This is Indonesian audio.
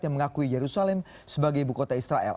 yang mengakui yerusalem sebagai ibu kota israel